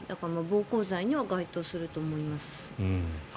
暴行罪には該当すると思います。